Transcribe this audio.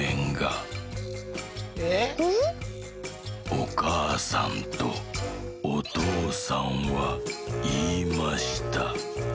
「おかあさんとおとうさんはいいました。